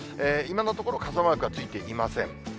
今のところ、傘マークはついていません。